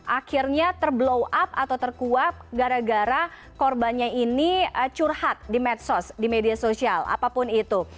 akhirnya terblow up atau terkuat gara gara korbannya ini curhat di medsos di media sosial apapun itu